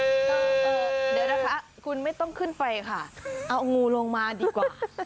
เดี๋ยวนะคะคุณไม่ต้องขึ้นไปค่ะเอางูลงมาดีกว่า